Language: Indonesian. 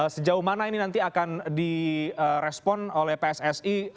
sejauh mana ini nanti akan di respon oleh pssi